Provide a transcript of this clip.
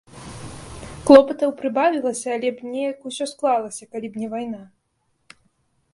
Клопатаў прыбавілася, але б неяк усё склалася, калі б не вайна.